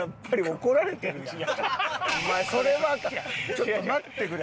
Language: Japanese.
ちょっと待ってくれ。